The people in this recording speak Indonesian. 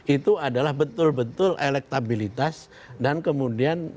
itu adalah betul betul elektabilitas dan kemudian